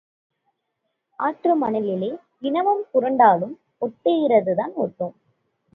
ஆற்று மணலிலே தினம் புரண்டாலும் ஒட்டுகிறதுதான் ஒட்டும்.